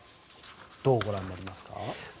どうご覧になりますか。